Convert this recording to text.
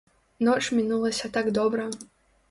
Ноч мінулася так добра.